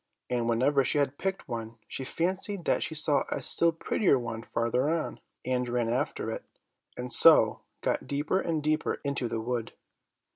And whenever she had picked one, she fancied that she saw a still prettier one farther on, and ran after it, and so got deeper and deeper into the wood.